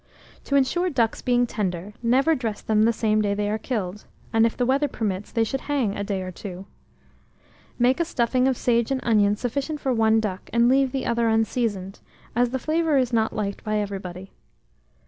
To insure ducks being tender, never dress them the same day they are killed; and if the weather permits, they should hang a day or two. Make a stuffing of sage and onion sufficient for one duck, and leave the other unseasoned, as the flavour is not liked by everybody.